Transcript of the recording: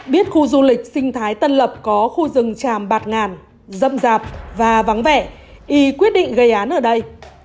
biết khu du lịch sinh thái tân lập có khu rừng tràm bạt ngàn dâm rạp và vắng vẻ y quyết định gây án ở đây